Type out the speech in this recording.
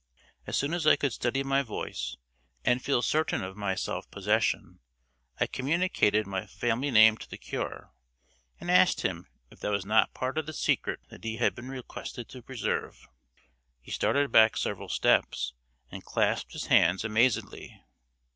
As soon as I could steady my voice and feel certain of my self possession, I communicated my family name to the cure, and asked him if that was not part of the secret that he had been requested to preserve. He started back several steps, and clasped his hands amazedly.